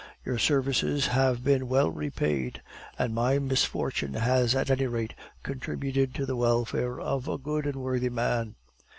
Your services have been well repaid; and my misfortune has at any rate contributed to the welfare of a good and worthy man."